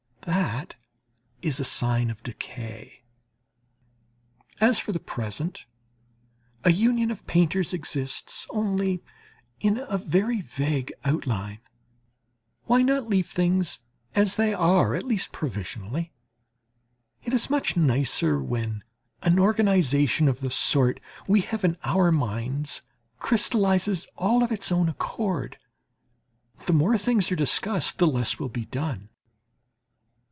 That is a sign of decay. As, for the present, a union of painters exists only in very vague outline why not leave things as they are at least provisionally? It is much nicer when an organization of the sort we have in our minds crystallizes all of its own accord. The more things are discussed, the less will be done.